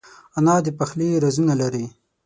انا د پخلي رازونه لري